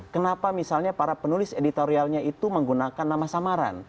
kenapa misalnya para penulis editorialnya itu menggunakan nama samaran